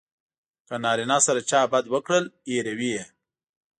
که نارینه سره چا بد وکړل هیروي یې.